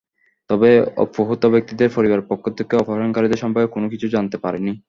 তবে অপহূত ব্যক্তিদের পরিবারের পক্ষ থেকে অপহরণকারীদের সম্পর্কে কোনো কিছু জানাতে পারেনি।